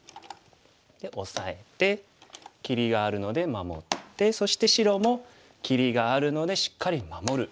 でオサえて切りがあるので守ってそして白も切りがあるのでしっかり守る。